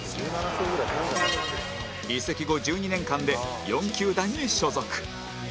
移籍後１２年間で４球団に所属